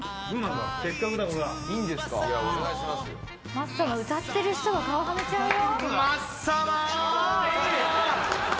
『マッサマン』歌ってる人が顔はめちゃうよ。